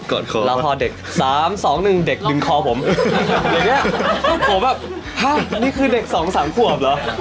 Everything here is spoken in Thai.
กอดคอแล้วพอเด็ก๓๒๑เด็กดึงคอผมเหเนี้ยคู่ผมแบบฮะนี่คือเด็กสองสามขวบเหรอ